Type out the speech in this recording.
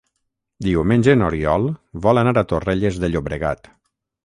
Diumenge n'Oriol vol anar a Torrelles de Llobregat.